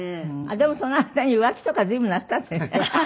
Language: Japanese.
でもその間に浮気とか随分なすったんだよね。